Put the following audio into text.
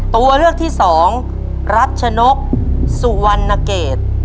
ตัวเลือกที่สองรัชนกสุวรรณเกต